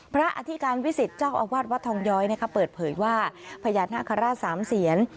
อธิการวิสิตเจ้าอาวาสวัดทองย้อยเปิดเผยว่าพญานาคาราชสามเสียน